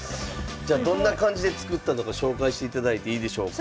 じゃどんな感じで作ったのか紹介していただいていいでしょうか。